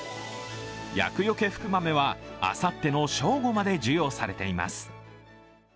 厄除福豆は、あさっての正午まで授与されています。